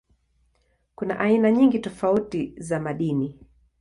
Kuna aina nyingi tofauti za madini.